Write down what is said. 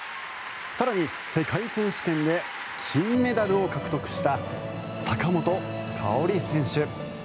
更に世界選手権で金メダルを獲得した坂本花織選手。